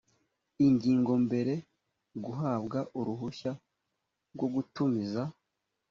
ingingo mbere guhabwa uruhushya rwo gutumiza